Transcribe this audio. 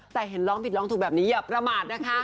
แต่เห็นร้องผิดร้องถูกแบบนี้อย่าประมาทนะคะ